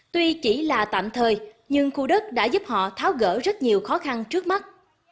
tuy chỉ là tạm thời nhưng khu đất đã giúp họ tháo gỡ rất nhiều khó khăn trước mắt